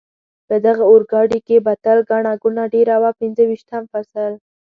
په دغه اورګاډي کې به تل ګڼه ګوڼه ډېره وه، پنځه ویشتم فصل.